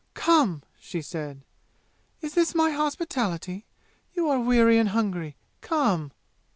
"Come!" she said. "Is this my hospitality? You are weary and hungry. Come!"